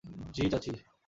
জি, চাচি।